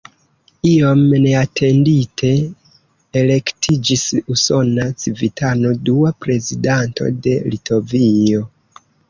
Iom neatendite elektiĝis usona civitano dua prezidanto de Litovio.